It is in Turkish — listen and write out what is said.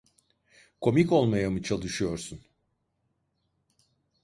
Komik olmaya mı çalışıyorsun?